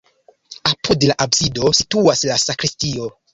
Apud la absido situas la sakristio.